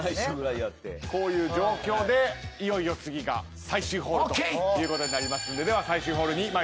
こういう状況でいよいよ次が最終ホールということになりますんで。